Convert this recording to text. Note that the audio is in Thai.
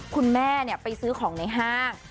คุณแม่ไปซื้อของในห้าง